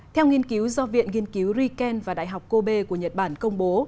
theo nghiên cứu do viện nghiên cứu riken và đại học kobe của nhật bản công bố